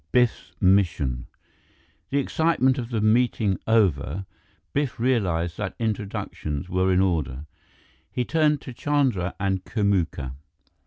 XIII Biff's Mission The excitement of the meeting over, Biff realized that introductions were in order. He turned to Chandra and Kamuka.